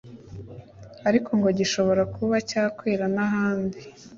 ariko ngo gishobora kuba cya kwera n’ahandi